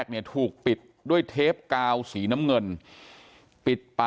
กลุ่มตัวเชียงใหม่